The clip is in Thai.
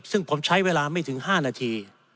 ซึ่งผมใช้เวลาไม่ถึง๕นาที